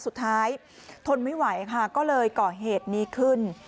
สุดท้ายทนไม่ไหวค่ะก็เลยเกาะเหตุนี้ขึ้น